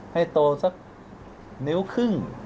ให้โตสักนิ้วครึ่ง